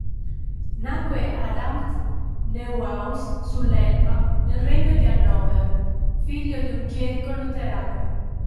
Nacque ad Amt Neuhaus sull'Elba nel Regno di Hannover, figlio di un chierico luterano.